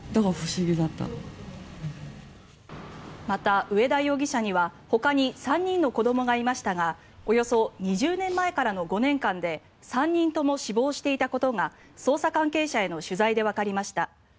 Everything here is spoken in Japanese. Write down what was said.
また上田容疑者にはほかに３人の子どもがいましたがおよそ２０年前からの５年間で３人とも死亡していたことが捜査関係者への取材でわかりました。